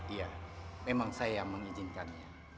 iya memang saya yang mengizinkannya